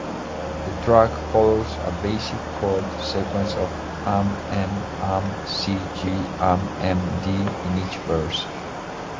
The track follows a basic chord sequence of Am-Em-Am-C-G-Am-Em-D in each verse.